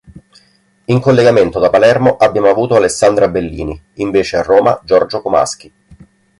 In collegamento da Palermo abbiamo avuto Alessandra Bellini, invece a Roma Giorgio Comaschi.